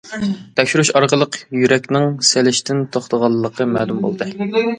تەكشۈرۈش ئارقىلىق يۈرەكنىڭ سېلىشتىن توختىغانلىقى مەلۇم بولدى.